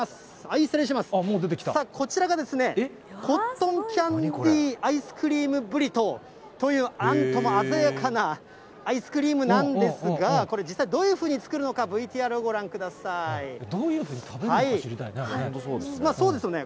さあ、こちらが、コットンキャンディーアイスクリームブリトーという、なんとも鮮やかなアイスクリームなんですが、これ、実際、どういうふうに作るどういうふうに食べるのか知りたいね。